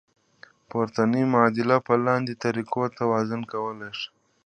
پورتنۍ معادله په لاندې طریقو توازن کولی شئ.